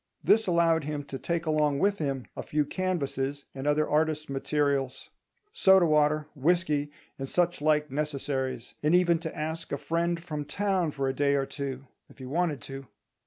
This allowed him to take along with him a few canvases and other artists' materials; soda water, whisky, and such like necessaries; and even to ask a friend from town for a day or two, if he wanted to.